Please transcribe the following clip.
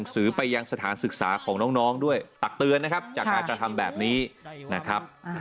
ศึกษาของน้องด้วยตักเตือนนะครับจากการกระทำแบบนี้นะครับ